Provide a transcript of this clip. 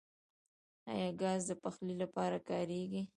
آیا ګاز د پخلي لپاره کاریږي؟